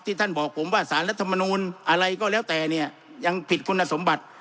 ท่านบอกผมว่าสารรัฐมนูลอะไรก็แล้วแต่เนี่ยยังผิดคุณสมบัติ